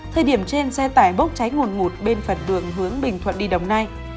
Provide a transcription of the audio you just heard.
thời điểm trên xe tải bốc cháy nguồn ngụt bên phần đường hướng bình thuận đi đồng nai